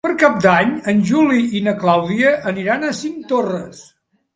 Per Cap d'Any en Juli i na Clàudia aniran a Cinctorres.